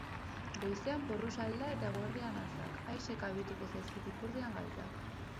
Goizean porrusalda eta eguerdian azak, aise kabituko zaizkik ipurdian galtzak.